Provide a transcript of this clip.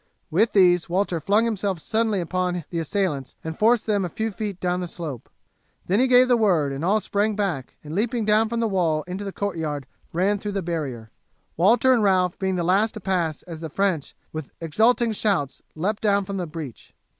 With these Walter flung himself suddenly upon the assailants and forced them a few feet down the slope. Then he gave the word, and all sprang back, and leaping down from the wall into the courtyard ran through the barrier, Walter and Ralph being the last to pass as the French with exulting shouts leapt down from the breach.